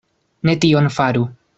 Ne tion faru.